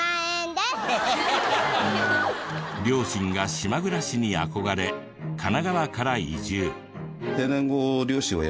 両親が島暮らしに憧れ神奈川から移住。